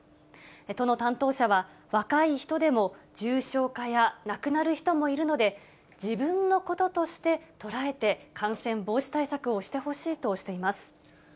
都の担当者は、若い人でも、重症化や亡くなる人もいるので、自分のこととして捉えて、感染防止対策をしてほしいとしています。